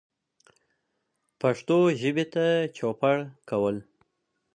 پښتو ژبې ته چوپړ کول